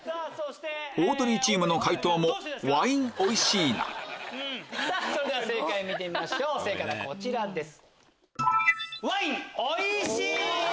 オードリーチームの解答もそれでは正解見てみましょう正解はこちらです。